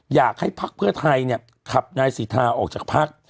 พักเพื่อไทยเนี่ยขับนายสิทธาออกจากพัก